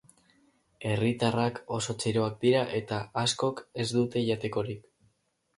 Herritarrak oso txiroak dira eta askok ez dute jatekorik.